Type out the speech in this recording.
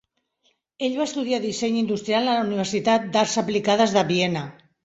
Ell va estudiar disseny industrial a la Universitat d'arts aplicades de Viena.